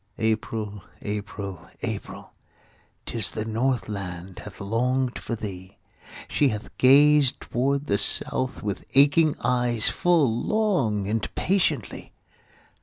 April! April! April! 'Tis the Northland hath longed for thee, She hath gazed toward the South with aching eyes Full long and patiently.